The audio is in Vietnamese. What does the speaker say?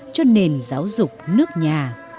cho nền giáo dục nước nhà